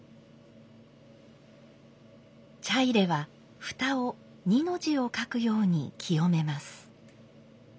茶入は蓋を「二」の字を書くように清めます。